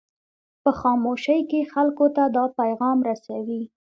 په خاموشۍ کې خلکو ته دا پیغام رسوي.